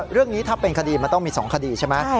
เรื่องนี้ถ้าเป็นคดีมันต้องมี๒คดีใช่ไหม